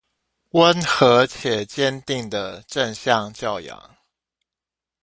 溫和且堅定的正向教養